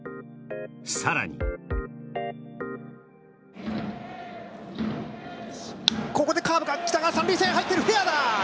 さらにここでカーブかきたか３塁線入っているフェアだ！